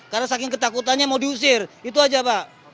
karena saking ketakutannya mau diusir itu aja pak